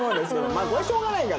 まあこれはしょうがないから。うん。